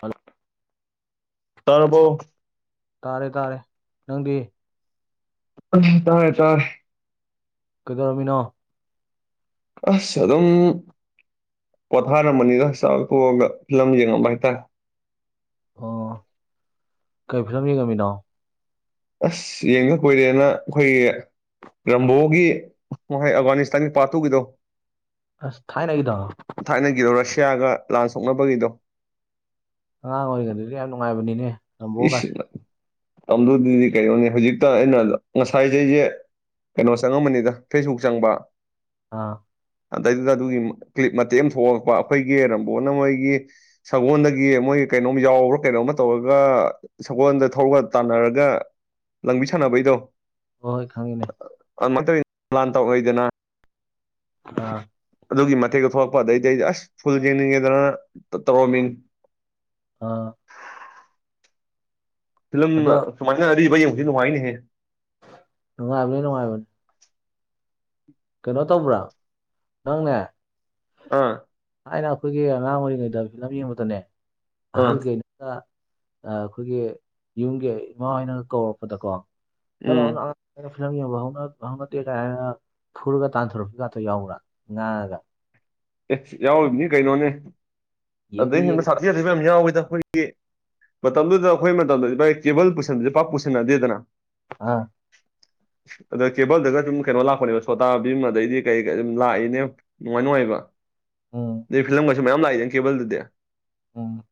ꯍꯜꯂꫭ ꯇꯥꯔꯕꫭ ꯇꯥꯔꯦ ꯇꯥꯔꯦ ꯅꯪꯗꯤ ꯎꯝ ꯇꯥꯔꯦ ꯇꯥꯔꯦ ꯀꯩꯗꯧꯔꯝꯃꯤꯅꯣ ꯑꯁ ꯑꯗꯨꯝ ꯄꯣꯊꯥꯔꯝꯕꯅꯤꯗ ꯆꯥꯛ ꯊꯣꯛꯑꯒ ꯐꯤꯂꯝ ꯌꯦꯡꯉꯝꯕ ꯍꯥꯏꯇꯥꯔꯦ ꯑꯣ ꯀꯩꯐꯤꯂꯝ ꯌꯦꯡꯉꯝꯃꯤꯅꯣ ꯑꯁ ꯌꯦꯡꯗ ꯀꯨꯏꯔꯦꯅ ꯑꯩꯈꯣꯏꯒꯤ ꯔꯝꯕꯣꯒꯤ ꯋꯥꯥꯏ ꯑꯒꯥꯅꯤꯁꯇꯥꯟꯒꯤ ꯄꯥꯔꯠꯇꯨꯒꯤꯗꯣ ꯑꯁ ꯊꯥꯏꯅ ꯒꯤꯗꫭ ꯊꯥꯏꯅꯒꯤꯗꯣ ꯔꯁꯤꯌꯥꯒ ꯂꯥꯟ ꯁꯣꯛꯅꯕꯒꯤꯗꯣ ꯑꯉꯥꯡ ꯑꯣꯏꯔꯤꯉꯩꯗ ꯑꯗꯨ ꯌꯥꯝ ꯅꯨꯡꯉꯥꯏꯕꯅꯤꯅꯦ ꯏꯁ ꯔꯝꯕꯣꯒꯁꯦ ꯃꯠ ꯃꯇꯝꯗꯨꯗꯤ ꯀꯩꯅꯣꯅꯦ ꯍꯧꯖꯤꯛꯇ ꯑꯩꯅ ꯉꯁꯥꯏꯖꯦ ꯑꯩꯖꯦ ꯀꯩꯅꯣ ꯆꯪꯉꯝꯕꯅꯤꯗ ꯐꯦꯁꯕꯨꯛ ꯆꯪꯕ ꯑꯥ ꯑꯗꯩꯗꯨꯗ ꯑꯗꯨꯒꯤ ꯀ꯭ꯂꯤꯞ ꯃꯇꯦꯛ ꯑꯃ ꯊꯣꯛꯂꯛꯄ ꯑꯩꯈꯣꯏꯒꯤ ꯔꯝꯕꯣꯅ ꯃꯣꯏꯒꯤ ꯁꯪꯒꯣꯟꯗꯒꯤ ꯃꯣꯏꯒꯤ ꯀꯩꯅꯣꯝ ꯌꯥꯎꯔ ꯀꯩꯅꯣꯝꯃ ꯇꯧꯔ ꯒ ꯁꯪꯒꯣꯟꯗ ꯊꯧꯔ ꯇꯥꯟꯅꯔꯒ ꯂꯪꯕꯤ ꯁꯥꯟꯅꯕꯩꯗꯣ ꯍꯣꯏ ꯈꯪꯉꯤꯅꯦ ꯑꯗꯨꯃꯥꯟ ꯇꯧꯔꯤ ꯂꯥꯟꯇꯧꯅꯩꯗꯅ ꯑ ꯑꯗꯨꯒꯤ ꯃꯊꯦꯛꯇꯣ ꯊꯣꯛꯂꯛꯄ ꯑꯗꯩꯗꯤ ꯑꯩꯁꯦ ꯑꯁ ꯐꯨꯜ ꯌꯦꯡꯅꯤꯡꯉꯦꯗꯅ ꯇꯧ ꯇꯧꯔꯝꯃꯤꯅꯤ ꯑ ꯐꯤꯂꯝ ꯑꯗꯣ ꯁꯨꯃꯥꯏꯅ ꯑꯔꯤꯕ ꯌꯦꯡꯕꯁꯤ ꯅꯨꯡꯉꯥꯏꯅꯦꯍꯦ ꯅꯨꯡꯉꯥꯏꯕꯅꯦ ꯅꯨꯡꯉꯥꯏꯕꯅꯦ ꯀꯩꯅꯣ ꯇꯧꯕ꯭ꯔꯥ ꯅꯪꯅꯦ ꯑꯥ ꯊꯥꯏꯅ ꯑꯩꯈꯣꯏꯒꯤ ꯑꯉꯥꯡ ꯑꯣꯏꯔꯤꯉꯩꯗ ꯐꯤꯂꯝ ꯌꯦꯡꯕꯗꯅꯦ ꯑꯍꯜ ꯑꯥ ꯀꯩ ꯑ ꯑꯩꯈꯣꯏꯒꯤ ꯌꯨꯝꯒꯤ ꯏꯃꯥ ꯍꯣꯏꯅꯒ ꯀꯧꯔꯛꯄꯗꯀꯣ ꯎꯝ ꯆꯣꯂꯝ ꯍ ꯐꯨꯔꯒ ꯇꯥꯟꯊꯣꯔꯛꯄ ꯉꯥꯛꯇ ꯌꯥꯎꯕ꯭ꯔꯥ ꯉꯥꯡꯉꯒ ꯑꯦ ꯌꯥꯎꯔꯤꯕꯅꯤ ꯀꯩꯅꯣꯅꯦ ꯌꯦꯡꯗꯤ ꯑꯗꯩ ꯌꯦꯡꯅꯤ ꯍꯦꯟꯅ ꯁꯥꯊꯤꯗꯕ ꯌꯥꯝ ꯌꯥꯎꯋꯤꯗ ꯑꯩꯈꯣꯏꯒꯤ ꯃꯇꯝꯗꯨꯗ ꯑꯩꯈꯣꯏ ꯃꯇꯝꯗꯗꯤ ꯚꯒꯤ ꯀꯦꯕꯜ ꯄꯨꯁꯟꯕꯁꯦ ꯄꯥꯛ ꯄꯨꯁꯤꯟꯅꯗꯦꯗꯅ ꯑꯥ ꯑꯗꯣ ꯀꯦꯕꯜꯗꯒ ꯑꯗꯨꯝ ꯀꯩꯅꯣ ꯂꯥꯛꯄꯅꯦꯕ ꯁꯣꯇꯥꯕꯤꯝ ꯑꯗꯩꯗꯤ ꯀꯩ ꯀꯩ ꯑꯗꯨꯝ ꯂꯥꯛꯏꯅꯦ ꯅꯨꯡꯉꯥꯏ ꯅꯨꯡꯉꯥꯏꯕ ꯎꯝ ꯑꯩ ꯐꯤꯂꯝꯕꯦ ꯁꯨ ꯃꯌꯥꯝ ꯂꯥꯛꯏꯌꯦꯅꯦ ꯀꯦꯕꯜꯗꯨꯗꯤ ꯎꯝ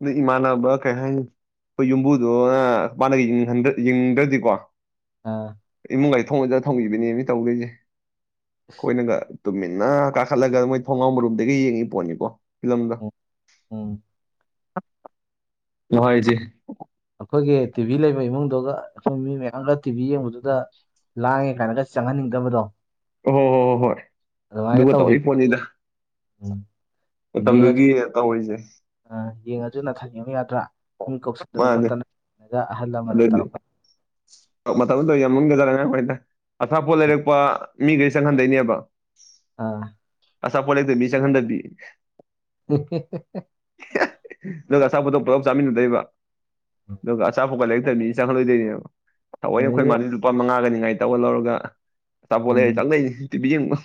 ꯑꯗꯨꯏ ꯏꯃꯥꯟꯅꯕ ꯀꯩꯍꯥꯏꯅꯤ ꯑꯩꯈꯣꯏ ꯌꯨꯝꯕꯨꯗꯨꯅ ꯃꯥꯅꯒ ꯌꯦꯡꯍꯪꯗ ꯌꯦꯡꯗ꯭ꯔꯗꯤꯀꫭ ꯑꯥ ꯏꯃꯨꯡꯒꯖꯦ ꯊꯣꯡ ꯂꫭꯟꯖꯤꯜꯂ ꯊꯝꯒꯤꯕꯤꯅꯦꯃꯦ ꯇꯧꯗꯣꯏꯖꯦ ꯑꯩꯈꯣꯏꯅꯒ ꯇꯨꯃꯤꯟꯅ ꯀꯥ ꯈꯠꯂꯒ ꯃꯣꯏ ꯊꯣꯡꯅꯥꯎ ꯃꯔꯨꯝꯗꯒꯤ ꯌꯦꯡꯉꯤ ꯄꯣꯠꯅꯤꯀꯣ ꯐꯤꯂꯝꯗꯣ ꯎꯝ ꯅꯨꯡꯉꯥꯏꯔꯤꯖꯤ ꯑꯩꯈꯣꯏꯒꯤ ꯇꯤꯕꯤ ꯂꯩꯕ ꯏꯃꯨꯡꯗꯨꯒ ꯁꯨꯝ ꯃꯤ ꯃꯌꯥꯝꯒ ꯇꯤꯕꯤ ꯌꯦꯡꯕꯗꯨꯗ ꯂꯥꯡꯉꯦ ꯀꯥꯏꯅꯒ ꯆꯪꯍꯟꯅꯤꯡꯗꯕꯗꯣ ꯑꯣ ꯍꯣ ꯍꯣ ꯍꯣꯏ ꯑꯗꯨꯃꯥꯏꯅ ꯑꯗꯨꯒ ꯇꯧꯕꯤ ꯇꯧꯔꯤ ꯄꯣꯠꯅꯤꯗ ꯎꯝ ꯃꯇꯝꯗꯨꯒꯤ ꯇꯧꯔꯤꯁꯦ ꯑ ꯌꯦꯡꯉ ꯑꯗꯨꯅ ꯊꯥ ꯌꯦꯡꯕ ꯌꯥꯗ꯭ꯔꯥ ꯏꯪ ꯀꯧꯁꯤꯟꯗꯅ ꯃꯥꯅꯦ ꯈꯣꯠꯇꯅ ꯌꯦꯉꯒ ꯑꯍꯜ ꯂꯃꯟꯅ ꯇꯧꯔꯛꯄꯗ ꯃꯇꯝꯗ ꯌꯥꯝ ꯃꯨꯟꯒꯖꯔꯅꯤꯃꯥꯏꯗ ꯑꯊꯥꯞꯄꯣꯠ ꯂꯩꯔꯛꯄ ꯃꯤ ꯀꯩꯁꯪꯍꯟꯗꯣꯏꯅꯤꯕ ꯑꯥ ꯑꯥ ꯄꯣꯂꯦꯗ ꯃꯤꯆꯥꯥꯈꯟꯗꯄꯤ ꯑꯦ ꯅꯪ ꯑꯁꯥ ꯄꯨꯊ ꯄꯨꯂꯞ ꯆꯥꯃꯤꯟꯅꯗꯣꯏꯕ ꯑꯗꯨꯒ ꯑꯆꯥꯄꯣꯛꯄ ꯂꯩꯔꯛꯇꯕꯅꯤ ꯏ ꯆꯪꯈꯠꯂꯣꯏꯗꯣꯏꯅꯦꯕ ꯊꯑꯣꯏꯅ ꯑꯩꯈꯣꯏ ꯑꯗꯒꯤ ꯃꯥꯗꯤ ꯂꯨꯄꯥ ꯃꯉꯥꯒꯅꯤ ꯉꯥꯏ ꯇꯧꯔ ꯂꯧꯔꯒ ꯑꯆꯥꯄꯣꯠ ꯂꯩꯔ ꯎꯝ ꯆꯥꯛ ꯂꯩ ꯇꯤꯚꯤ ꯌꯦꯡꯕ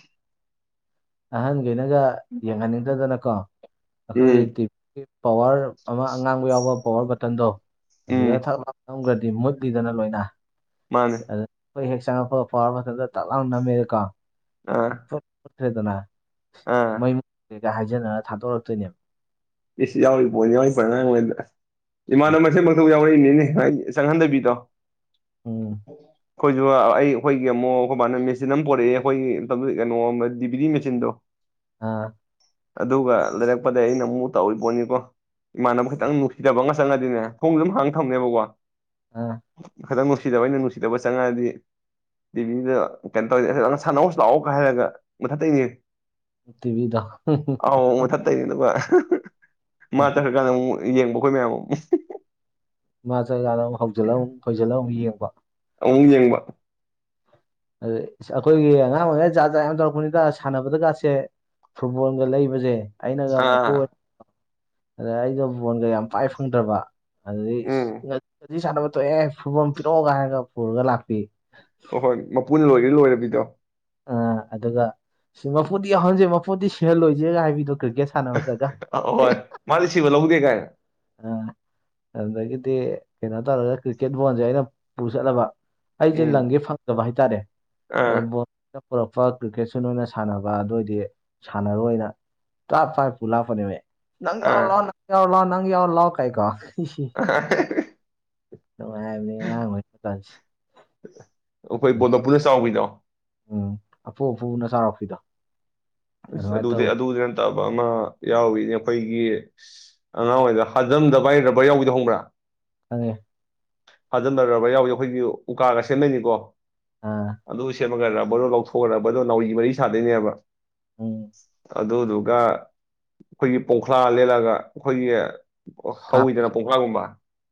ꯑꯍꯟꯈꯅꯒ ꯌꯦꯡꯍꯟꯅꯤꯡꯗꯗꯅꯀꯣ ꯑꯩꯈꯣꯏꯒꯤ ꯎꯝ ꯇꯤꯞ ꯄꯋꯥꯔ ꯑꯃ ꯑꯉꯥꯡꯕ ꯌꯥꯎꯕ ꯄꯋꯥꯔ ꯕꯇꯟꯗꯣ ꯎꯝ ꯑꯗꯨꯗ ꯊꯛ ꯂꯂꯝꯝꯈ꯭ꯔꯗꯤ ꯃꯨꯠ ꯤꯗꯅ ꯂꯣꯏꯅ ꯃꯥꯅꯦ ꯑꯗꯨ ꯑꯩꯈꯣꯏ ꯍꯦꯛ ꯆꯪꯉꯛꯄ ꯐꯥꯎ ꯃꯊꯗ ꯇꯥꯛ ꯂꯥꯎꯅ ꯅꯝꯃꯦꯔꯀꯣ ꯑꯥ ꯈ꯭ꯔꯦꯗꯅ ꯑꯥ ꯃꯩ ꯃꯨꯦꯒ ꯍꯥꯏꯖꯅꯔ ꯊꯥꯗꯣꯔꯛꯇꯣꯏꯅꯦꯕ ꯏꯁ ꯌꯥꯎꯔꯤ ꯄꯣꯅꯤ ꯌꯥꯎ ꯐ꯭ꯔ ꯅꯪ ꯎꯝ ꯏꯃꯥꯟꯅꯕ ꯃꯛꯇ ꯌꯥꯎꯔꯛꯏꯅꯤꯅꯦ ꯆꯪꯉꯟꯗꯕꯤ ꯇ ꯎꯝ ꯑꯩꯈꯣꯏꯁꯨ ꯑꯩꯈꯣꯏꯒꯤ ꯑꯃꯨꯛ ꯀꯕꯥꯥꯏꯅ ꯃꯦꯆꯤꯟ ꯑꯃ ꯄꯣꯔꯛꯑꯦ ꯑꯩꯈꯣꯏꯒꯤ ꯀꯩꯅꯣ ꯑꯃ ꯗꯤ ꯄꯤ ꯗꯤ ꯃꯦꯆꯤꯟꯗꯣ ꯑꯥ ꯑꯗꯨꯒ ꯂꯩꯔꯛꯄꯗ ꯑꯩꯅ ꯃꯨꯠ ꯇꯧꯔꯤ ꯄꯣꯠꯅꯤꯀꯣ ꯏꯃꯥꯟꯅꯕ ꯈꯤꯇꯪ ꯅꯨꯡꯁꯤꯗꯕ ꯑꯃ ꯆꯪꯉꯗꯤꯅꯦ ꯊꯣꯡꯁꯨ ꯑꯗꯨꯝ ꯍꯥꯡꯅ ꯊꯝꯅꯦꯕꯀꯣ ꯑꯥ ꯈꯤꯇꯪ ꯅꯨꯡꯁꯤꯗꯕ ꯑꯩꯅ ꯅꯨꯡꯁꯤꯗꯕ ꯆꯪꯉꯛꯑꯗꯤ ꯇꯤꯚꯤꯗ ꯀꯩꯅꯣ ꯇꯧꯔꯁ ꯅꯪ ꯁꯥꯟꯅꯧ ꯂꯥꯛꯑꯣꯒ ꯍꯥꯏꯔꯒ ꯃꯊꯛꯇꯒꯤꯅꯦ ꯇꯤꯚꯤꯗꯣ ꯑꯥꯎ ꯃꯊꯠ ꯇꯔꯤꯅꯀ ꯃꯥ ꯆꯠꯈ꯭ꯔꯀꯥꯟꯗ ꯑꯃꯨꯛ ꯌꯦꯡꯕ ꯑꯩꯈꯣꯏ ꯃꯌꯥꯝ ꯑꯃꯨꯛ ꯃꯥ ꯆꯠꯈꯥꯀꯥꯟꯅ ꯑꯃꯨꯛ ꯍꯧꯖꯤꯜꯂꯛ ꯈꯣꯏꯁꯤꯜꯂ ꯑꯃꯨꯛ ꯌꯦꯡꯕ ꯑꯃꯨꯛ ꯌꯦꯡꯕ ꯑꯗꯨ ꯑꯩꯈꯣꯏꯒꯤ ꯑꯉꯥꯡ ꯑꯣꯏꯔꯤꯉꯩꯗ ꯖꯥꯠ ꯖꯥꯠ ꯌꯥꯝ ꯇꯧꯔꯛꯄꯅꯤꯗ ꯁꯥꯟꯅꯕꯗꯒꯥꯁꯦ ꯐꯨꯠꯕꯣꯜꯒ ꯂꯩꯕꯖꯦ ꯑꯩꯅꯒ ꯃꯄꯨ ꯑꯥ ꯑꯣꯏ ꯑꯗ ꯑꯩꯗ ꯑꯩꯗꯣ ꯕꯣꯟꯒ ꯌꯥꯝ ꯄꯥꯏ ꯐꯪꯗ꯭ꯔꯕ ꯑꯗꯨꯗꯩ ꯎꯝ ꯏꯁ ꯁꯥꯟꯅꯕ ꯊꯣꯛꯑꯦ ꯐꯨꯕꯣꯜ ꯄꯤꯔꯛꯑꯣꯒ ꯍꯥꯏꯔꯒ ꯄꯨꯔꯒ ꯂꯥꯛꯄꯤ ꯑꯍꯣꯏ ꯃꯄꯨꯅ ꯂꯣꯏꯔ ꯂꯣꯏꯕꯤꯗꯣ ꯑ ꯑꯗꯨꯒ ꯁꯤ ꯃꯄꯨꯗꯤ ꯌꯥꯎꯍꯟꯁꯦ ꯃꯄꯨꯗꯤ ꯁꯤꯍꯜꯂꯣꯏꯁꯦꯒ ꯍꯥꯏꯕꯤꯗꯣ ꯀ꯭ꯔꯤꯛꯀꯦꯠ ꯁꯥꯟꯅꯕꯗꯒ ꯑ ꯍꯣꯏ ꯃꯥꯗꯤ ꯁꯤꯕ ꯂꯧꯗꯦ ꯀꯥꯏꯅ ꯑ ꯑꯗꯨꯗꯒꯤꯗꯤ ꯀꯩꯅꯣ ꯇꯧꯔꯒ ꯀ꯭ꯔꯤꯛꯀꯦꯠ ꯕꯣꯜꯁꯦ ꯑꯩꯅ ꯄꯨꯆꯠꯂꯕ ꯑꯩꯖꯦ ꯎꯝ ꯂꯪꯒꯦ ꯐꯪꯗꯕ ꯍꯥꯏꯇꯥꯔꯦ ꯑꯗꯩ ꯑꯥ ꯕꯣꯜ ꯄꯨꯔꯛꯄ ꯀ꯭ꯔꯤꯛꯀꯦꯠꯁꯨ ꯅꯣꯏꯅ ꯁꯥꯟꯅꯕ ꯑꯗꯨꯑꯣꯏꯗꯤ ꯁꯥꯟꯅꯔꯣꯏꯅ ꯇꯥꯞ ꯄꯥꯏꯔꯥ ꯄꯨꯂꯥꯛꯄꯅꯦꯕ ꯑꯩ ꯅꯪꯪ ꯌꯥꯎ ꯑꯥ ꯂꯥꯎ ꯅꯪ ꯌꯥꯎ ꯂꯥꯎ ꯅꯪ ꯌꯥꯎ ꯂꯑꯣ ꯀꯥꯏ ꯀꯣ [unintelligible] ꯅꯨꯉꯥꯏꯕꯅꯤ ꯑꯉꯥꯡ ꯑꯣꯏꯔꯤ ꯀꯥꯟꯁꯦ ꯕꯣꯂꯣꯄꯨꯅ ꯆꯥꯎꯕꯤꯗꯣ ꯎꯝ ꯑꯄꯨ ꯑꯄꯨꯕꯅ ꯆꯥꯔꯛꯄꯤꯗꯣ ꯏꯁ ꯑꯗꯨꯗꯤ ꯑꯗꯨꯗꯤ ꯅꯪ ꯐꯠꯇꯕ ꯑꯃ ꯌꯥꯎꯔꯤꯅꯦ ꯑꯩꯈꯣꯏꯒꯤ ꯑꯉꯥꯡ ꯑꯣꯏꯔꯤꯗ ꯍꯥꯖꯝꯗ ꯚꯥꯏ ꯔꯥꯕꯔ ꯌꯥꯎꯕꯤꯗꯣ ꯈꯪꯕ꯭ꯔꯥ ꯈꯪꯉꯦ ꯍꯥꯖꯝꯗ ꯔꯥꯕꯔ ꯌꯥꯎꯕꯤ ꯑꯩꯈꯣꯏꯒꯤ ꯎꯀꯥꯒ ꯁꯦꯝꯗꯣꯏꯅꯤꯀꯣ ꯑꯥ ꯑꯗꯨꯒ ꯂꯥꯕꯔꯗꯣ ꯂꯧꯊꯣꯛꯑꯒ ꯂꯥꯕꯔꯗꯣ ꯅꯥꯎꯔꯤ ꯃꯔꯨ ꯁꯥꯗꯣꯏꯅꯦꯕ ꯎꯝ ꯑꯗꯨꯗꯨꯒ ꯑꯩꯈꯣꯏꯒꯤ ꯄꯣꯡꯈ꯭ꯂꯥ ꯂꯦꯜꯂꯒ ꯑꯩꯈꯣꯏꯒꯤ ꯀꯥꯞꯄꯤ ꯍꯧꯋꯤꯗꯅ [unintelligible]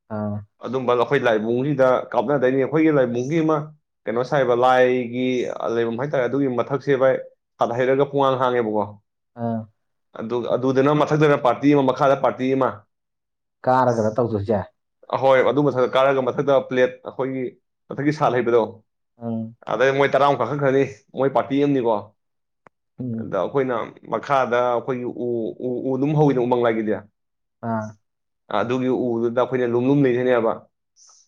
ꯑꯥ ꯑꯗꯨꯝꯕ ꯑꯩꯈꯣꯏ ꯂꯥꯏꯕꯨꯡꯁꯤꯗ ꯀꯥꯞꯅꯗꯣꯏꯅꯤ ꯑꯩꯈꯣꯏꯒꯤ ꯂꯥꯏꯕꯨꯡꯒꯤ ꯑꯃ ꯀꯩꯅꯣ ꯁꯥꯏꯕ ꯂꯥꯏꯒꯤ ꯂꯩꯐꯝ ꯍꯥꯏꯇꯥꯔꯦ ꯑꯗꯨꯒꯤ ꯃꯊꯛꯁꯦ ꯚꯥꯏ ꯇꯞ ꯍꯩꯔꯒ ꯄꯨꯡꯍꯥꯡ ꯍꯥꯡꯉꯦꯕꯀꯣ ꯑꯥ ꯑꯗꯨ ꯑꯗꯨꯗꯅ ꯃꯊꯛꯇꯅ ꯄꯥꯔꯇꯤ ꯑꯃ ꯃꯈꯥꯗ ꯄꯥꯔꯇꯤ ꯑꯃ ꯀꯥꯔꯒꯅ ꯇꯧꯗꯣꯏꯁꯦ ꯍꯣꯏ ꯑꯗꯨ ꯃꯊꯛꯇ ꯀꯥꯔꯒ ꯃꯊꯛꯇ ꯄ꯭ꯂꯦꯠ ꯑꯩꯈꯣꯏꯒꯤ ꯃꯊꯛꯀꯤ ꯁꯥꯠ ꯍꯩꯕꯗꯣ ꯎꯝ ꯑꯗꯩ ꯃꯣꯏ ꯇꯔꯥꯃꯨꯛ ꯀꯥꯈꯠ ꯈ꯭ꯔꯅꯤ ꯃꯣꯏ ꯄꯥꯔꯇꯤ ꯑꯃꯅꯤꯀꯣ ꯎꯝ ꯑꯗ ꯑꯩꯈꯣꯏꯅ ꯃꯈꯥꯗ ꯑꯩꯈꯣꯏꯒꯤ ꯎ ꯎ ꯎ ꯑꯗꯨꯝ ꯍꯧꯋꯤꯅ ꯎꯃꯪ ꯂꯥꯏꯒꯤꯗꯤ ꯑꯥ ꯑꯗꯨꯒꯤ ꯎꯗꯨꯗ ꯑꯩꯈꯣꯏꯅ ꯂꯨꯝꯂꯨꯝ ꯂꯩꯗꯣꯏꯅꯦꯕ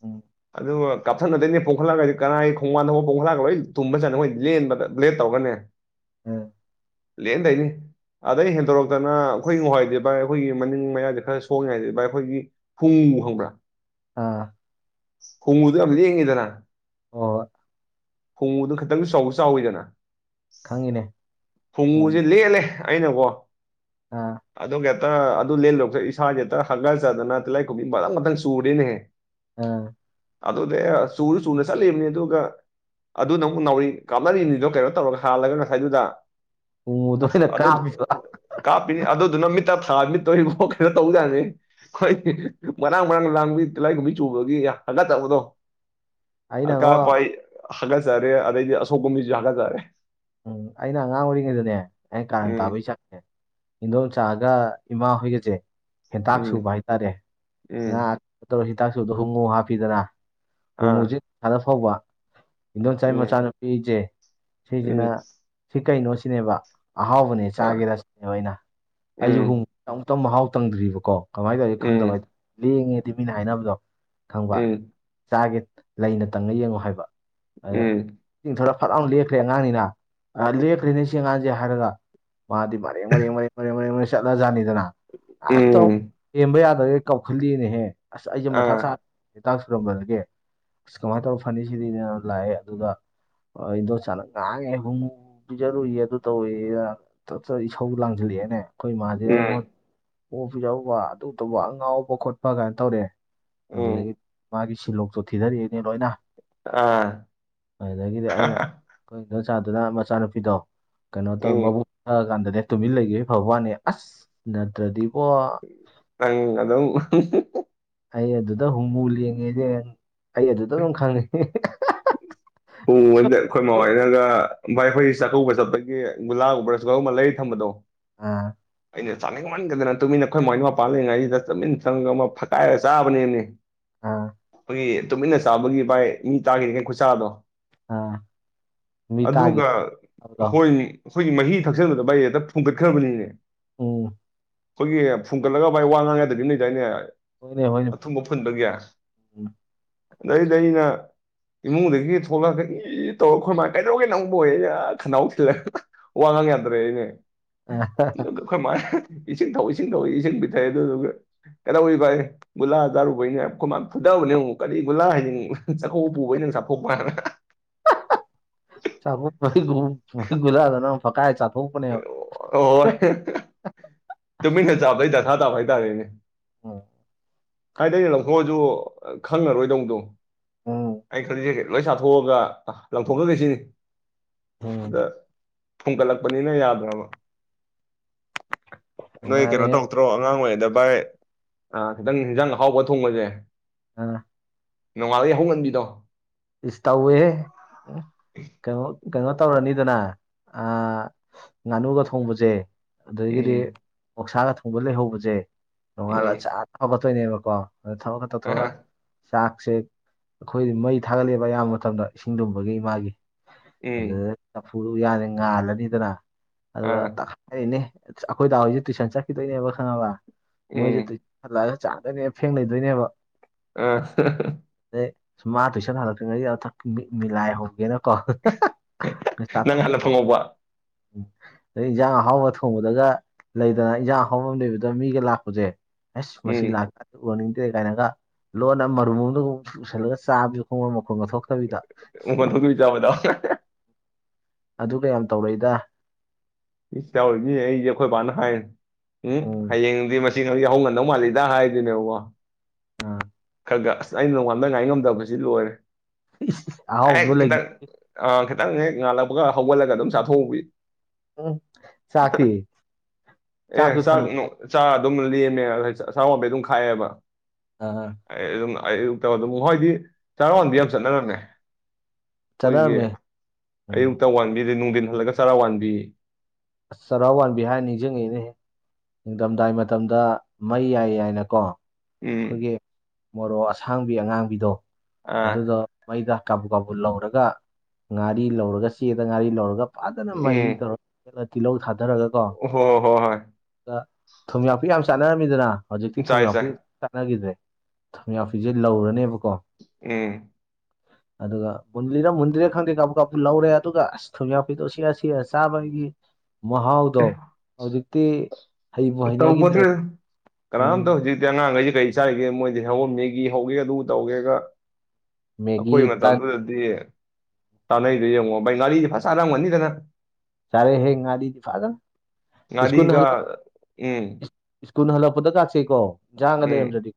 ꯎꯝ ꯑꯗꯨꯒ ꯀꯥꯞꯊꯠꯅꯗꯣꯏꯅꯦ ꯄꯣꯡꯈꯠꯂꯒꯖꯦ ꯀꯅꯥꯒꯤ ꯈꯣꯡꯕꯥꯟꯗ ꯍꯧꯕ ꯄꯣꯡꯈꯠꯂꯒ ꯂꯣꯏ ꯇꯨꯝꯕ ꯖꯥꯠꯅꯤ ꯑꯩꯈꯣꯏ ꯂꯦꯟꯕꯗ ꯕꯂꯦꯠ ꯇꯧꯒꯅꯦ ꯎꯝ ꯂꯦꯟꯗꯣꯏꯅꯦ ꯑꯗꯩ ꯍꯦꯟꯗꯣꯔꯛꯇꯅ ꯑꯩꯈꯣꯏ ꯉꯥꯍꯥꯟꯋꯥꯏꯗꯤ ꯚꯥꯏ ꯑꯩꯈꯣꯏꯒꯤ ꯃꯅꯤꯡ ꯃꯌꯥꯏꯗ ꯈꯔ ꯁꯣꯡꯉꯤꯉꯩꯗꯗꯤ ꯚꯥꯏ ꯑꯩꯈꯣꯏꯒꯤ ꯍꯨꯡꯉꯨ ꯈꯪꯕꯔꯥ ꯑꯥ ꯍꯣꯡꯉꯨꯗꯣ ꯌꯥꯝ ꯂꯦꯡꯉꯤꯗꯅ ꯑꯣ ꯍꯨꯡꯉꯨꯗꯨ ꯈꯤꯇꯪꯁꯨ ꯆꯥꯎꯖꯨ ꯆꯥꯎꯋꯤꯗꯅ ꯈꯪꯉꯤꯅꯦ ꯍꯨꯡꯉꯨꯁꯦ ꯂꯦꯜꯂꯦ ꯑꯩꯅꯀꯣ ꯑ ꯑꯗꯨꯒ ꯍꯦꯛꯇ ꯑꯗꯨ ꯂꯦꯟꯂꯣꯏꯔꯛꯄꯗ ꯏꯁꯥꯥꯁꯦ ꯍꯦꯛꯇ ꯍꯥꯒꯥꯆꯗꯅ ꯇꯤꯂꯥꯏ ꯀꯨꯝꯕꯤ ꯃꯇꯪ ꯃꯇꯪ ꯁꯨꯔꯦꯅꯦꯍꯦ ꯑꯥ ꯑꯗꯨꯗꯤ ꯆꯨꯔ ꯆꯨꯅ ꯆꯠꯂꯤꯕꯅꯤ ꯑꯗꯨꯒ ꯑꯗꯨ ꯅ ꯑꯃꯨꯛ ꯅꯥꯎꯔꯤ ꯀꯥꯞꯅꯔꯤꯅꯤꯗꯣ ꯀꯩꯅꯣ ꯇꯧꯔꯒ ꯍꯥꯜꯂꯒ ꯉꯁꯥꯏꯗꯨꯗ ꯎꯃꯨꯗ ꯑꯁ ꯑꯣꯏꯅ ꯑꯗꯨꯗꯨꯠ ꯀꯥꯞꯄꯤꯕ ꯀꯥꯞꯄꯤꯅꯤ ꯑꯗꯨꯗꯨꯅ ꯃꯤꯠꯇ ꯊꯥ ꯃꯤꯠꯇꯣ ꯏꯕꯣ ꯀꯩꯅꯣ ꯇꯧꯕꯖꯅꯤ ꯈꯣꯏ ꯃꯔꯥꯡ ꯃꯔꯔꯥꯡ ꯂꯥꯡꯕꯤ ꯇꯤꯂꯥꯏꯒꯨꯝꯕꯤ ꯆꯨꯕꯒꯤ ꯍꯪꯒꯥ ꯆꯥꯕꯗꯣ ꯑꯩꯅꯉꯣ ꯑꯀꯥꯄ ꯑꯩ ꯍꯒꯖꯔꯦ ꯑꯗꯩꯗꯤ ꯑꯁꯣꯛꯄ ꯃꯤꯁꯤ ꯍꯥꯒꯖꯔꯦ ꯎꯝ ꯑꯩꯅ ꯑꯉꯥꯡ ꯑꯣꯏꯔꯤꯉꯩꯗꯅꯦ ꯑꯩꯅ ꯀꯥꯔꯟ ꯎꯝ ꯇꯥꯕꯩ ꯆꯥꯛꯖꯦ ꯏꯗꯣꯜꯆꯥꯒ ꯏꯃꯥ ꯍꯣꯏꯒꯖꯦ ꯍꯦꯟꯇꯥꯛ ꯁꯨꯕ ꯎꯝ ꯍꯥꯏꯇꯥꯔꯦ ꯉꯥ ꯎꯝ ꯇꯧꯔ ꯍꯤꯗꯥꯛꯁꯨꯗ ꯍꯣꯡꯉꯨ ꯍꯥꯞꯄꯤꯗꯅ ꯍꯣꯡꯉꯨꯖꯤ ꯑꯥ [unintelligible] ꯐꯥꯎꯕ ꯏꯤꯡꯗꯣꯟꯆꯥꯏ ꯎꯝ ꯃꯆꯥꯅꯨꯄꯤꯖꯦ ꯎꯝ ꯁꯤꯖꯤꯅ ꯁꯤ ꯀꯩꯅꯣ ꯁꯤꯅꯦꯕ ꯑꯍꯥꯎꯕꯅꯦ ꯆꯥꯒꯦꯔꯥ ꯁꯤꯅꯦꯕ ꯑꯩꯅ ꯑꯩꯖꯨ ꯍꯣꯡꯉꯨ ꯑꯃꯨꯛꯇꯪ ꯃꯍꯥꯎ ꯇꯪꯗ꯭ꯔꯤꯕꯀꯣ ꯀꯃꯥꯏ ꯇꯧꯔꯤꯒ ꯈꯪꯗꯕ ꯍꯥꯏ ꯂꯦꯡꯉꯦꯗꯤ ꯃꯤꯅ ꯍꯥꯏꯅꯕꯗꯣ ꯈꯪꯕ ꯆꯥꯒꯦ ꯂꯩꯅ ꯇꯪꯉ ꯌꯦꯡꯉꯨ ꯍꯥꯏꯕ ꯑꯗꯨꯗ ꯇꯤꯡꯊꯣꯔ ꯐꯠꯑꯥꯎꯅ ꯂꯦꯛꯈ꯭ꯔꯦ ꯑꯉꯥꯡꯅꯤꯅ ꯂꯦꯛꯈ꯭ꯔꯦꯅꯦ ꯁꯤ ꯑꯉꯥꯡꯖꯦ ꯍꯥꯏꯔꯒ ꯃꯥꯗꯤ ꯃꯔꯦꯡ ꯃꯔꯦꯡ ꯃꯔꯦꯡ ꯃꯔꯦꯡ ꯃꯔꯦꯡ ꯃꯔꯦꯡ ꯆꯠꯂ ꯖꯥꯠꯅꯤꯗꯅ ꯑꯇꯥ ꯊꯦꯝꯕ ꯌꯥꯗꯒꯩ ꯀꯥꯝꯈꯠꯂꯦꯅꯦꯍꯦ ꯑꯁ ꯑꯩꯖꯦ ꯃꯊꯥ ꯁꯥ ꯍꯤꯇꯥꯛ ꯁꯨꯔꯝꯕꯗꯒꯤ ꯑꯁ ꯀꯃꯥꯏ ꯇꯧꯔ ꯐꯅꯤ ꯁꯤꯗꯤꯅ ꯂꯥꯛꯑꯦ ꯑꯗꯨꯗ ꯏꯗꯣꯆꯥꯅ ꯉꯥꯡꯉꯦ ꯨꯍꯣꯡꯉꯨꯕꯨ ꯄꯤꯖꯔꯨꯏꯌꯦ ꯑꯗꯨ ꯇꯧꯋꯦꯅ ꯇꯞꯇꯥꯏ ꯏꯁꯧ ꯂꯥꯡꯖꯤꯜꯂꯛꯑꯦꯅꯦ ꯑꯩꯈꯣꯏ ꯏꯃꯥꯖꯦ ꯑꯩꯉꯣꯟꯗ [unintelligible] ꯑꯗꯨ ꯇꯧꯕ ꯑꯉꯥꯎꯕ ꯈꯣꯠꯄ ꯀꯥꯏꯅ ꯇꯧꯔꯛꯑꯦ ꯑꯗꯨꯗꯒꯤ ꯃꯥꯒꯤ ꯁꯤꯜꯂꯣꯛꯇꯣ ꯊꯤꯗꯔꯛꯑꯦꯅꯦ ꯂꯣꯏꯅ ꯑꯗꯨꯗꯒꯤꯗꯤ ꯑꯩꯅ ꯑꯩꯈꯣꯏ ꯏꯗꯣꯟꯆꯥ ꯗꯨꯅ ꯃꯆꯥꯅꯨꯄꯤꯗꯣ ꯀꯩꯅꯣ ꯇꯧ ꯃꯕꯨꯛ ꯊꯛꯀꯥꯟꯗ ꯅꯦ ꯇꯨꯃꯤꯜ ꯂꯩꯒꯤꯗꯩ ꯐꯕꯥꯋꯥꯅꯦ ꯑꯁ ꯅꯠꯇ꯭ꯔꯗꯤꯕꯣ ꯅꯪ ꯑꯗꯨꯝ ꯑꯩ ꯑꯗꯨꯗ ꯍꯨꯝꯉꯨ ꯂꯦꯡꯉꯦꯅꯦ ꯑꯩ ꯑꯗꯨꯗ ꯑꯗꯨꯝ ꯈꯪꯉꯦ ꯎꯡꯕꯗ ꯑꯩꯈꯣꯏ ꯃꯥ ꯍꯣꯏꯅꯒ ꯕꯥꯏ ꯑꯩꯈꯣꯏꯒꯤ ꯆꯥꯛꯀꯧꯕ ꯆꯠꯄꯒꯤ ꯒꯨꯂꯥ ꯒꯨꯝꯕ ꯔꯥꯁ ꯒꯨꯂꯥ ꯒꯨꯝꯕ ꯂꯩꯔ ꯊꯝꯕꯗꯣ ꯑꯥ ꯑꯩꯅ ꯆꯥꯅꯤꯡꯃꯟꯒꯤꯗꯅ ꯇꯨꯃꯤꯟꯅ ꯑꯩꯈꯣꯏ ꯃꯥꯏ ꯃꯄꯥꯟ ꯂꯩꯉꯩꯁꯤꯗ ꯇꯨꯃꯤꯟ ꯆꯪꯉꯒ ꯑꯃ ꯐꯥꯛꯀꯥꯏꯔꯒ ꯆꯥꯕꯅꯦꯝꯅꯦ ꯑꯥ ꯒꯤ ꯇꯨꯃꯤꯟꯅ ꯆꯥꯕꯒꯤ ꯕꯥꯏ ꯃꯤꯅ ꯇꯥꯒꯤꯅꯦ ꯀꯩ ꯈꯨꯆꯥꯗꯣ ꯑꯥ ꯃꯤ ꯇꯥꯒꯤ ꯑꯗꯨꯒ ꯇꯥꯕꯗꯣ ꯍꯣꯏ ꯑꯩꯈꯣꯏꯒꯤ ꯃꯍꯤ ꯊꯛꯆꯟꯕꯗ ꯕꯥꯏ ꯍꯦꯛꯇ ꯐꯨꯟꯒꯠꯈ꯭ꯔꯕꯅꯤꯅꯦ ꯎꯝ ꯑꯩꯈꯣꯏꯒꯤ ꯐꯨꯡꯒꯠꯂꯒ ꯕꯥꯏ ꯋꯥ ꯉꯥꯡ ꯌꯥꯗꯕꯤ ꯂꯩꯗꯥꯏꯅꯦ ꯍꯣꯏꯅꯦ ꯍꯣꯏꯅꯦ ꯑꯊꯨꯝꯕ ꯐꯨꯟꯕꯒꯤ ꯎꯝ ꯑꯗꯩꯗꯤ ꯑꯩꯅ ꯏꯃꯨꯡꯗꯒꯤ ꯊꯣꯛꯂꯛꯑꯒ ꯏꯏ ꯇꯧꯔ ꯑꯩꯈꯣꯏ ꯃꯥꯅ ꯀꯩꯗꯧꯔꯒꯦ ꯅꯪꯕꯨ ꯑꯌꯦ ꯑꯩꯅ ꯑꯥ ꯈꯅꯥꯎ ꯊꯤꯜꯂꯒ ꯋꯥ ꯉꯥꯡ ꯌꯥꯗꯔꯦꯅꯦ [unintelligible] ꯈꯣꯏꯃꯥꯏꯅ ꯏꯁꯤꯡ ꯊꯧ ꯏꯁꯤꯡ ꯊꯧ ꯏꯁꯤꯡ ꯄꯤꯊꯛꯑꯦ ꯑꯗꯨꯗꯨꯒ ꯀꯩꯗꯧꯔꯤꯕꯑꯦ ꯒꯨꯂꯥ ꯆꯔꯨꯕꯩꯅꯦ ꯍꯥꯏ ꯑꯩꯈꯣꯏ ꯃꯥꯅ ꯐꯨꯗꯕꯅꯦ ꯃꯨꯛ ꯀꯔꯤꯒꯤ ꯒꯨꯂꯥ ꯍꯥꯏꯅꯤꯡ ꯆꯥꯛꯀꯧꯕ ꯄꯨꯕꯒꯤ ꯅꯪ ꯆꯥꯛꯐꯣꯛꯄ ꯑꯅ ꯆꯛꯀꯧꯕꯩ ꯄꯨꯟ ꯒꯨꯂꯥꯗꯣ ꯅꯪ ꯐꯛꯀꯥꯏ ꯆꯥꯊꯣꯛꯄꯅꯦꯕ ꯍꯣꯏ ꯇꯨꯃꯤꯟꯅ ꯆꯥꯕꯩ ꯗꯥꯁꯥ ꯇꯥꯕ ꯍꯥꯏꯇꯥꯔꯦꯅꯦ ꯎꯝ ꯍꯥꯏꯗꯤ ꯂꯧꯊꯣꯛꯑꯖꯨ ꯈꯪꯡꯉꯥꯔꯣꯏꯗꯧꯗꯣ ꯎꯝ ꯑꯩꯅ ꯈꯜꯂꯤꯖꯦ ꯂꯣꯏ ꯆꯊꯣꯛ ꯑꯒꯥ ꯂꯪꯊꯣꯛꯈꯔꯥꯒꯦꯁꯤꯅꯤ ꯎꯝ ꯗꯥ ꯐꯨꯟꯒꯠꯂꯛꯄꯅꯤꯅ ꯌꯥꯗ꯭ꯔꯕ ꯅꯣꯏ ꯀꯩꯅꯣ ꯅꯨꯡꯉꯥꯏꯔꯦꯍꯦ ꯇꯧꯔꯛꯇ꯭ꯔꯣ ꯑꯉꯥꯡ ꯑꯣꯏꯔꯤꯉꯩꯗ ꯚꯥꯏ ꯈꯤꯇꯪ ꯌꯦꯟꯖꯥꯡ ꯑꯍꯥꯎꯕ ꯊꯣꯡꯕꯁꯦ ꯑꯥ ꯅꯣꯡꯉꯥꯜꯂ ꯌꯥꯍꯧ ꯉꯟꯕꯤꯗꯣ ꯏꯁ ꯇꯧꯋꯦꯍꯦ ꯀꯩꯅꯣ ꯀꯩꯅꯣꯇꯧꯔꯅꯤꯗꯅ ꯑꯥ ꯉꯥꯟꯅꯨꯒ ꯊꯣꯡꯕꯖꯦ ꯑꯗꯨꯗꯒꯤꯗꯤ ꯎꯝ ꯃꯍꯧꯁꯥꯒ ꯊꯣꯡꯕ ꯂꯩꯍꯧꯕꯁꯦ ꯅꯣꯡꯉꯥꯜꯂ ꯆ ꯎꯝ ꯍꯧꯒꯠꯇꯣꯏꯅꯦꯕꯀꯣ ꯑꯗ ꯊꯧꯔꯒ ꯇꯧꯊꯣꯛꯑꯒ ꯑ ꯆꯥꯛꯁꯦ ꯑꯩꯈꯣꯏ ꯃꯩ ꯊꯥꯒꯠꯂꯛꯑꯦꯕ ꯑꯌꯥꯝꯕ ꯃꯇꯝꯗ ꯏꯁꯤꯡꯂꯨꯝꯕꯒꯤ ꯏꯃꯥꯒꯤ ꯎꯝ ꯑꯗꯨꯗ ꯆꯐꯨꯗꯨ ꯌꯥꯗꯦ ꯉꯥꯜꯂꯅꯤꯗꯅ ꯑ ꯑꯗꯨꯒ ꯑꯩꯅꯦ ꯑꯩꯈꯣꯏ ꯗꯥ ꯍꯣꯏꯁꯦ ꯇꯨꯏꯁꯟ ꯆꯠꯈꯤꯗꯣꯏꯅꯦꯕ ꯈꯪꯉꯕ ꯃꯣꯏꯁꯦ ꯎꯝ ꯂ ꯆꯥꯗꯣꯏꯅꯦꯕ ꯐꯦꯡ ꯂꯩꯗꯣꯏꯅꯦꯕ ꯑ ꯑꯗ ꯃꯥ ꯇꯨꯏꯁꯟ ꯍꯜꯂꯛꯇ꯭ꯔꯤꯉꯩꯒꯤ ꯑꯊꯛ ꯃꯤꯂꯥꯏ ꯍꯧꯒꯦꯅꯀꯣ ꯐꯁ ꯇꯥꯗ ꯅꯪ ꯍꯥꯟꯅ ꯐꯪꯍꯧꯕ ꯎꯝ ꯑꯗꯩ ꯏꯟꯖꯥꯡ ꯑꯍꯥꯎꯕ ꯊꯣꯡꯕꯗꯒ ꯂꯩꯗꯅ ꯏꯟꯖꯥꯡ ꯑꯍꯥꯎꯕ ꯑꯃ ꯂꯩꯕꯗ ꯃꯤꯒ ꯂꯥꯛꯄꯖꯦ ꯑꯁ ꯃꯁꯤ ꯎꯝ ꯂꯥꯛꯀꯗꯤ ꯎꯅꯤꯡꯗ꯭ꯔꯦ ꯀꯥꯏꯅꯒ ꯂꯣꯟꯅ ꯃꯔꯨꯝꯒ ꯄꯨꯁꯜꯂꯒ ꯆꯥꯕꯁꯨ ꯈꯣꯡꯉꯣꯔ ꯃꯈꯣꯡꯒ ꯊꯣꯛꯣꯛꯇꯕꯤꯗ ꯎꯃꯣꯟꯊꯗꯕꯤ ꯆꯥꯕꯗꯣ ꯑꯗꯨ ꯀꯌꯥꯝ ꯇꯧꯔꯛꯏꯗ ꯏ ꯆꯥꯎꯔꯤꯁ ꯑꯩꯁꯦ ꯑꯩꯈꯣꯏꯕꯥꯅ ꯍꯥꯏ ꯎꯝ ꯍꯌꯦꯡꯗꯤ ꯁꯤ ꯍꯧꯖꯤꯛ ꯌꯥꯍꯧꯉꯟꯗꯧ ꯃꯥꯜꯂꯤꯗ ꯍꯥꯏꯗꯣꯏꯅꯦꯕꯀꯣ ꯎꯝ ꯈꯔ ꯈ ꯑꯁ ꯑꯩꯅ ꯅꯣꯡꯉꯥꯗ ꯉꯥꯏ ꯉꯝꯗꯕꯁꯤ ꯂꯣꯏꯔꯦ ꯑꯦ ꯑꯍꯥꯎꯕꯗꯣ ꯂꯩꯒꯤ ꯈꯤꯇꯪ ꯑ ꯈꯤꯇꯪ ꯍꯦꯛ ꯉꯥꯜꯂꯛꯄꯒ ꯍꯧꯒꯠꯂꯒ ꯑꯗꯨꯝ ꯆꯥꯊꯣꯛꯎꯕꯤ ꯎꯝ ꯆꯥꯛꯇꯤ ꯑꯦ ꯆꯥꯛꯁꯨ ꯆꯥꯛ ꯊꯅꯝ ꯆꯥ ꯑꯗꯨꯝ ꯂꯦꯝꯃꯦ ꯑ ꯆꯥꯋꯥꯟꯕꯩ ꯑꯗꯨꯝ ꯈꯥꯛꯑꯦꯕ ꯑꯥ ꯑꯩ ꯑꯗꯨꯝ ꯑꯌꯨꯛꯇ ꯑꯗꯨꯝ ꯍꯣꯏꯗꯤ ꯆꯥꯔ ꯋꯟꯗꯤ ꯌꯥꯝ ꯆꯠꯅꯔꯝꯃꯦ ꯑꯩꯈꯣꯏꯒꯤ ꯆꯠꯅꯔꯝꯃꯦ ꯎꯝ ꯑꯌꯨꯛꯇ ꯋꯥꯟꯕꯤꯗ ꯅꯨꯡꯊꯤꯟ ꯍꯜꯂꯒ ꯆꯔꯥ ꯋꯥꯟꯕꯤ ꯑ ꯆꯔꯥꯎ ꯋꯥꯟꯕꯤꯍꯥꯏꯔ ꯅꯤꯡꯁꯤꯡꯉꯛꯏꯅꯦꯍꯦ ꯅꯤꯡꯊꯝꯗꯥꯏ ꯃꯇꯝꯗ ꯃꯩ ꯌꯥꯏ ꯌꯥꯏꯅꯀꯣ ꯎꯝ ꯑꯩꯈꯣꯏꯒꯤ ꯃꯣꯔꯣꯛ ꯑꯁꯥꯡꯕꯤ ꯑꯉꯥꯡꯕꯤꯗꯣ ꯑꯥ ꯑꯗꯨꯗ ꯃꯩꯗ ꯀꯥꯕꯨ ꯀꯥꯕꯨ ꯂꯧꯔꯒ ꯉꯥꯔꯤ ꯂꯧꯔꯒ ꯆꯦꯗ ꯉꯥꯔꯤ ꯂꯧꯔꯒ ꯐꯖꯅ ꯃꯍꯤ ꯎꯝ ꯇꯧꯔꯒꯂ ꯇꯤꯜꯍꯧ ꯊꯥꯗꯔꯒ ꯀꯣ ꯍꯣ ꯍꯣꯏ ꯍꯣꯏ ꯊꯨꯝ ꯌꯥꯛꯄꯤ ꯌꯥꯝ ꯆꯥꯟꯅꯔꯝꯃꯤꯗꯅ ꯍꯧꯖꯤꯛꯇꯤ ꯆꯥꯏ ꯆꯥꯏ ꯊꯨꯝꯌꯥꯄꯤ ꯆꯥꯟꯅꯈꯤꯗ꯭ꯔꯦ ꯊꯨꯝꯌꯥꯛꯄꯤꯖꯦ ꯂꯧꯔꯅꯤꯕꯀꯣ ꯎꯝ ꯑꯗꯨꯒ ꯃꯨꯟꯂꯤꯔ ꯃꯨꯟꯗ꯭ꯔꯤꯔ ꯈꯪꯗꯦ ꯀꯥꯞꯕꯨ ꯀꯥꯞꯄ ꯂꯧꯔꯦ ꯑꯗꯨꯒ ꯑꯁ ꯊꯨꯝꯌꯥꯛꯄꯤꯗꯣ ꯁꯤꯛꯑ ꯁꯤꯑꯆꯥꯕꯁꯤꯗꯤ ꯃꯍꯥꯎꯗꯣ ꯍꯧꯖꯤꯛꯇꯤ ꯍꯩꯕꯨ ꯍꯩꯅꯈꯤꯗ꯭ꯔꯦ ꯇꯧꯕꯗ꯭ꯔꯦ ꯎꯝ ꯀꯅꯥꯝꯇ ꯍꯧꯖꯤꯛꯇꯤ ꯑꯉꯥꯡꯈꯩꯁꯤ ꯀꯔꯤ ꯆꯥꯏꯔꯤꯒꯦ ꯃꯣꯏꯗꯤ ꯍꯧꯃꯦꯒꯤꯍꯧꯔꯝꯃꯤꯒꯤ ꯍꯧꯒꯦ ꯑꯗꯨ ꯇꯧꯒꯦꯒ ꯃꯦꯒꯤ ꯑꯩꯈꯣꯏ ꯇꯟ ꯃꯇꯝꯗꯨꯗꯗꯤ ꯇꯥꯅꯩꯗꯨ ꯌꯦꯡꯉꯣ ꯕꯩ ꯉꯥꯔꯤꯗꯤ ꯐꯁꯥꯔꯝꯒꯅꯤꯗꯅ ꯆꯔꯦ ꯍꯦ ꯉꯥꯔꯤꯗꯤ ꯐꯥꯖꯅ ꯏꯁꯀꯨꯜꯅ ꯍꯜꯂꯣ ꯑꯦ ꯁꯀꯨꯜ ꯍꯜꯂꯛꯄꯗ ꯀꯥꯛꯁꯤꯀꯣ ꯏꯟꯖꯥꯡꯒ ꯎꯝ ꯂꯩꯔꯝꯗ꯭ꯔꯗꯤ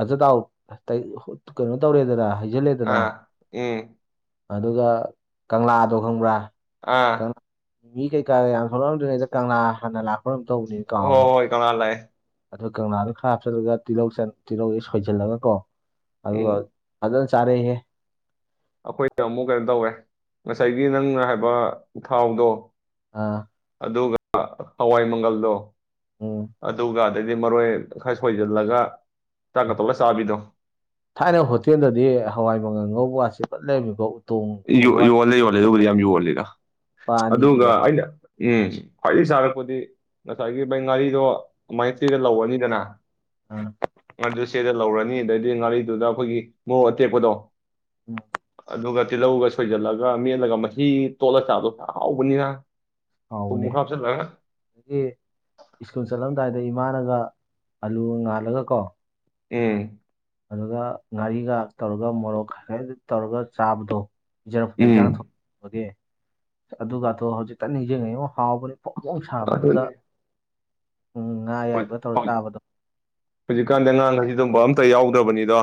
ꯑꯖ ꯇꯥꯎ ꯀꯩꯅꯣ ꯇꯧꯔꯦꯗꯅ ꯍꯥꯏꯩꯖꯤꯜꯂꯦꯗꯅ ꯑꯥ ꯎꯝ ꯑꯗꯨꯒ ꯀꯪꯂꯥꯗꯣ ꯈꯪꯕ꯭ꯔꯥ ꯑꯥ ꯀꯪꯂꯥ ꯃꯤ ꯀꯩꯀꯥꯗ ꯌꯥꯝ ꯊꯣꯛꯂꯛꯑꯝꯗ꯭ꯔꯤꯗ ꯀꯪꯂꯥ ꯍꯥꯟꯅ ꯂꯥꯛꯄꯔꯝ ꯇꯧꯕꯅꯤꯅ ꯍꯣꯏ ꯀꯥꯎꯔꯤꯅꯦ ꯍꯣꯏ ꯀꯪꯂꯥ ꯂꯥꯛꯑꯦ ꯑ ꯀꯪꯂꯥꯗ ꯈꯔ ꯍꯥꯞꯆꯜꯂꯒ ꯇꯤꯜꯍꯧ ꯇꯤꯜꯍꯧꯁꯦ ꯁꯣꯏꯁꯤꯜꯂꯒ ꯀꯣ ꯎꯝ ꯑꯗꯨꯒ ꯑꯖꯜ ꯆꯥꯔꯦ ꯍꯦ ꯑꯩꯈꯣꯏꯗ ꯑꯃꯨꯛ ꯀꯩꯅꯣ ꯇꯧꯔꯦ ꯉꯁꯥꯏꯒꯤ ꯅꯪꯅ ꯍꯥꯏꯕ ꯎ ꯊꯥꯎꯗꯣ ꯑꯥ ꯑꯗꯨꯒ ꯍꯋꯥꯏ ꯃꯪꯒꯜꯗꯣ ꯎꯝ꯫ ꯑꯗꯨꯒ ꯑꯗꯩꯗꯤ ꯃꯔꯣꯏ ꯈꯔ ꯁꯣꯏꯁꯤꯜꯂꯒ ꯆꯥꯛꯀ ꯎꯝ ꯇꯣꯠꯂ ꯆꯥꯕꯤꯗꯣ꯫ ꯊꯥꯏꯅ ꯍꯣꯇꯦꯜꯗꯗꯤ ꯍꯋꯥꯏ ꯃꯒꯜ ꯉꯧꯕꯒꯥꯠꯁꯤ ꯐꯥꯅ ꯂꯩꯔꯝꯃꯤꯀꯣ꯫ ꯎꯇꯣꯡ ꯍꯧꯕ ꯌꯣꯜꯂꯦ ꯌꯣꯜꯂꯦ ꯑꯗꯨꯕꯨꯗꯤ ꯌꯥꯝ ꯌꯣꯜꯂꯤꯗ ꯂꯨꯄꯥ ꯑꯅꯤꯒꯤ ꯑꯗꯨꯒ ꯂꯩ ꯑꯩꯅ꯫ ꯎꯝ ꯈ꯭ꯋꯥꯏꯗꯒꯤ ꯁꯥꯔꯛꯄꯗꯤ꯫ ꯉꯁꯥꯏꯒꯤ ꯚꯩ ꯉꯥꯔꯤꯗꯣ ꯑꯗꯨꯃꯥꯏꯅ ꯆꯦꯗ ꯂꯧꯔꯅꯤꯗꯅ꯫ ꯑ꯫ ꯉꯥꯗꯨ ꯆꯦꯗ ꯂꯧꯔꯅꯤ ꯑꯗꯩꯗꯤ ꯉꯥꯔꯤꯗꯨꯗ ꯑꯩꯈꯣꯏꯒꯤ ꯃꯣꯔꯣꯛ ꯑꯇꯦꯛꯄꯗꯣ꯫ ꯎꯝ꯫ ꯑꯗꯨꯒ ꯇꯤꯜꯍꯧꯒ ꯁꯣꯏꯖꯜꯂꯒ ꯃꯦꯠꯂꯒ ꯃꯍꯤ ꯇꯣꯠꯂ ꯆꯥꯗꯣꯍꯥꯎꯕꯅꯤꯅ꯫ ꯍꯥꯎꯕꯅꯦꯍꯦ꯫ ꯁ꯭ꯀꯨꯜ ꯆꯠꯂꯝꯗꯥꯏꯗ ꯏꯃꯥꯅꯒ ꯑꯂꯨ ꯉꯥꯜꯂꯒ ꯀꯣ꯫ ꯎꯝ꯫ ꯑꯗꯨꯒ ꯉꯥꯔꯤꯒ ꯇꯧꯔꯒ ꯃꯣꯔꯣꯛ ꯈ ꯇꯧꯔꯒ ꯆꯥꯕꯗꯣ ꯄꯤꯖꯔꯛꯄꯗꯣ ꯎꯝ ꯏꯟꯖꯥꯡ ꯊꯣꯛ꯫ ꯑꯣꯀꯦ ꯑꯗꯨꯒꯗꯣ ꯍꯧꯖꯤꯛꯇ ꯅꯤꯡꯁꯤꯡꯉꯥ ꯌꯦ ꯍꯥꯎꯕꯅꯤ꯫ ꯐꯣꯡ ꯐꯣꯡ ꯁꯥꯕꯗꯨꯗ ꯑꯗꯨꯅꯦ ꯉꯥ ꯑꯌꯥꯏꯕ ꯇꯧꯔꯒ ꯆꯥꯕꯗꯣ꯫ ꯍꯧꯖꯤꯛꯀꯥꯟꯗꯤ ꯑꯉꯥꯡ ꯈ ꯥꯏꯁꯤ ꯑꯗꯨꯒꯨꯝꯕ ꯑꯝꯇ ꯌꯥꯎꯗ꯭ꯔꯕꯅꯤꯗꯣ꯫